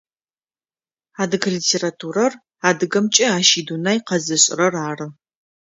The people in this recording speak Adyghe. Адыгэ литературэр адыгэмкӏэ ащ идунай къэзышӏрэр ары.